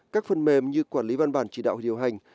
các phần mềm như quản lý văn bản chỉ đạo điều hành